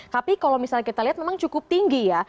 tapi kalau misalnya kita lihat memang cukup tinggi ya